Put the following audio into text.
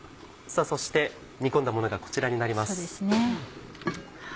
そして煮込んだものがこちらになります。